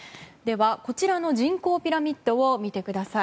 こちらの人口ピラミッドを見てください。